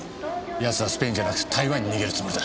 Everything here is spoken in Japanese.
奴はスペインじゃなく台湾に逃げるつもりだ。